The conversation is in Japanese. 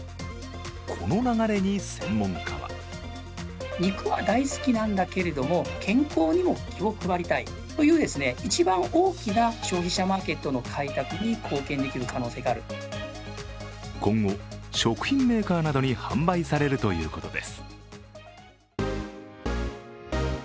この流れに専門家は今後、食品メーカーなどに販売されるということです。